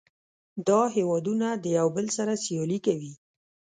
دا هیوادونه د یو بل سره سیالي کوي